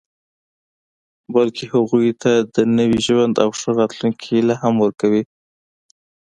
بلکې هغوی ته د نوي ژوند او ښه راتلونکي هیله هم ورکوي